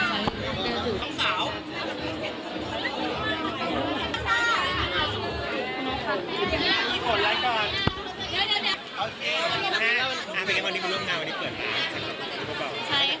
อันนี้มันเริ่มงานวันนี้เปิดมาใช่ไหมครับ